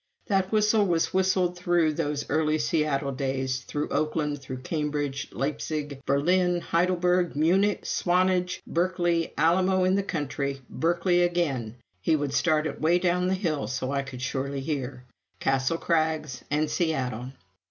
That whistle was whistled through those early Seattle days, through Oakland, through Cambridge, Leipzig, Berlin, Heidelberg, Munich, Swanage, Berkeley, Alamo in the country, Berkeley again (he would start it way down the hill so I could surely hear), Castle Crags, and Seattle.